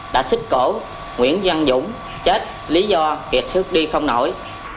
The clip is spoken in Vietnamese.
đã xích cổ nguyễn văn dũng chết lý do kiệt sức đi không nổi